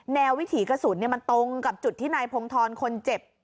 วิถีกระสุนมันตรงกับจุดที่นายพงธรคนเจ็บ